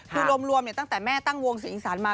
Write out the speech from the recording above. คือรวมตั้งแต่แม่ตั้งวงเสียงอีสานมา